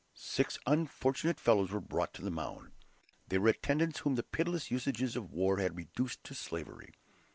Six unfortunate fellows were brought to the mound. They were attendants whom the pitiless usages of war had reduced to slavery.